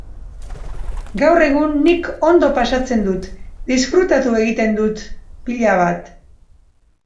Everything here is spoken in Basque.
Gaur egun nik ondo pasatzen dut, disfrutatu egiten dut, pilo bat.